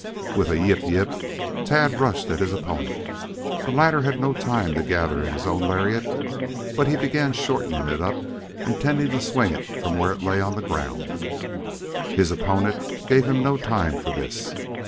With a "yip yip" Tad rushed at his opponent. The latter had had no time to gather in his own lariat, but he began shortening it up intending to swing it from where it lay on the ground. His opponent gave him no time for this.